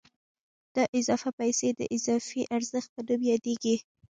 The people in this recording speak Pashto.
دا اضافي پیسې د اضافي ارزښت په نوم یادېږي